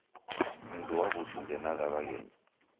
Mndu wa wusu ndenagha waghenyi